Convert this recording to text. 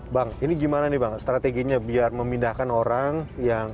bang ini gimana nih bang strateginya biar memindahkan orang yang